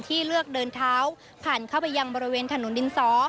เลือกเดินเท้าผ่านเข้าไปยังบริเวณถนนดินสอ